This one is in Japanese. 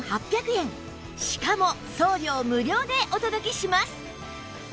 しかも送料無料でお届けします